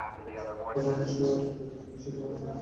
ফলে অনেক সময় আটকাতে গেলে পুলিশের জীবনও বিপন্ন হওয়ার ঝুঁকি থাকে।